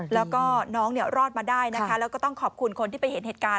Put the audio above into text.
แล้วก็น้องรอดมาได้นะคะแล้วก็ต้องขอบคุณคนที่ไปเห็นเหตุการณ์